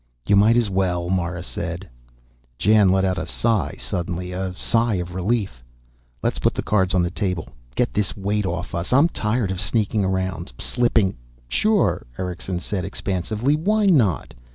"You might as well," Mara said. Jan let out a sigh suddenly, a sigh of relief. "Let's put the cards on the table, get this weight off us. I'm tired of sneaking around, slipping " "Sure," Erickson said expansively. "Why not?"